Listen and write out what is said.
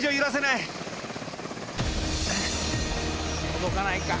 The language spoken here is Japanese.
届かないか。